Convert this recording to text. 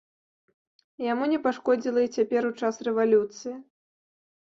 Яму не пашкодзіла і цяпер, у час рэвалюцыі.